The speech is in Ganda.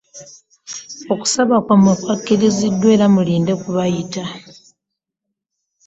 Okusaba kwammwe kwakkiriziddwa era mulinde kubayita.